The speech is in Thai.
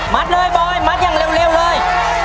เลยบอยมัดอย่างเร็วเลย